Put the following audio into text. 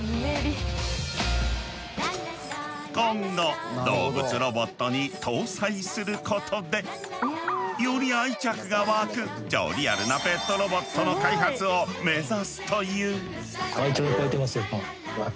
今後動物ロボットに搭載することでより愛着が湧く超リアルなペットロボットの開発を目指すという。